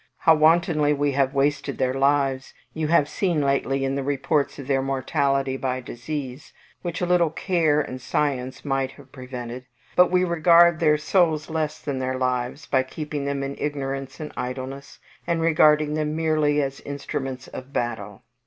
How wantonly we have wasted their lives you have seen lately in the reports of their mortality by disease, which a little care and science might have prevented; but we regard their souls less than their lives, by keeping them in ignorance and idleness, and regarding them merely as instruments of battle.